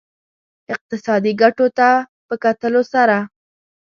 اقتصادي ګټو ته په کتلو سره.